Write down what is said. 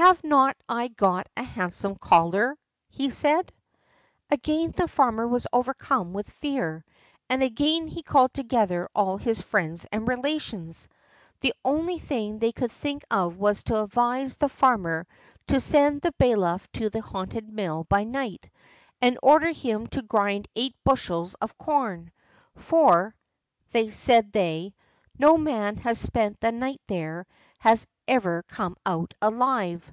"Have not I got a handsome collar?" he said. Again the farmer was overcome with fear, and again he called together all his friends and relations. The only thing they could think of was to advise the farmer to send the bailiff to the haunted mill by night, and order him to grind eight bushels of corn. "For," said they, "no man who has spent a night there has ever come out alive."